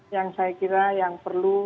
yang saya kira yang perlu